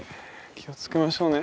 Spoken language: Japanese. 気を付けましょうね。